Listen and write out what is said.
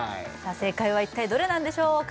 正解は一体どれなんでしょうか？